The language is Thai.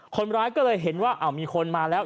คนร้ายก็เลยเห็นว่ามีคนมาแล้ว